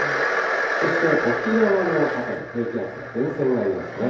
そして、沖縄の辺り、低気圧や前線がありますね。